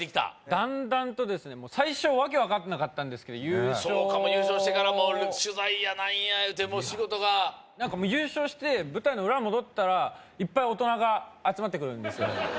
だんだんとですね最初訳分かんなかったんですけど優勝してからも取材や何やいうてもう仕事が優勝して舞台の裏戻ったらいっぱい大人が集まってくるんですよ